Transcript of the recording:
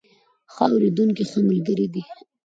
ښه اورېدونکي ښه ملګري دي.